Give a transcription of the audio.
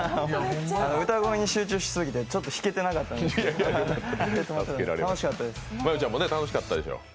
歌声に集中しすぎてちょっと弾けてなかったので楽しかったです。